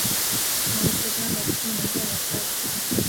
成为实川的知名代表歌曲。